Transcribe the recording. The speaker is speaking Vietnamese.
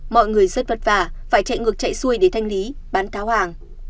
mọi người rất vất vả phải chạy ngược chạy xuôi để thanh lý bán tháo hàng